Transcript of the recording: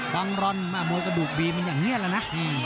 บังรอนมวยกระดูกบีมันอย่างนี้แล้วนะ